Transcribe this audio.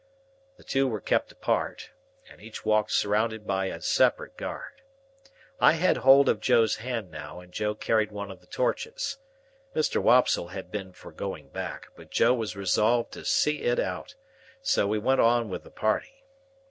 The two were kept apart, and each walked surrounded by a separate guard. I had hold of Joe's hand now, and Joe carried one of the torches. Mr. Wopsle had been for going back, but Joe was resolved to see it out, so we went on with the party.